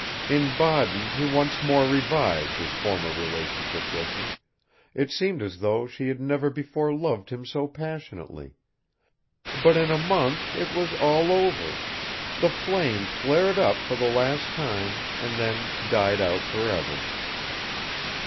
In Baden he once more revived his former relationship with her; it seemed as though she had never before loved him so passionately ... but in a month it was all over; the flame flared up for the last time and then died out forever.